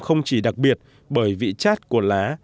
không chỉ đặc biệt bởi vị chát của lá